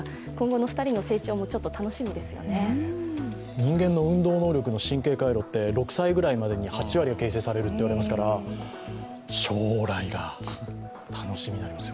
人間の運動能力の神経回路って６歳ぐらいまでに８割が形成されるっていいますから、将来が楽しみになりますよ。